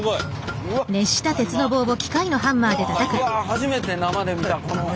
初めて生で見た。